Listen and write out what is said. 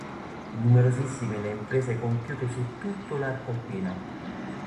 Numerosissime le imprese compiute su tutto l'arco alpino.